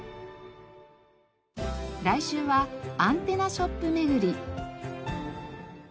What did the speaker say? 来週はアンテナショップめぐり。